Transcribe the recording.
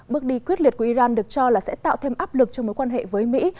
bước đi quyết liệt của iran được cho là sẽ tạo thêm áp lực cho mối quan hệ với mỹ